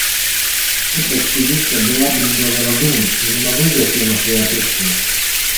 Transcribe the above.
Эта экспедиция была бы неблагоразумна; я не могу взять ее на свою ответственность.